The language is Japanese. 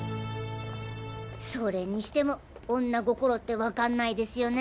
それにしても女心ってわかんないですよね。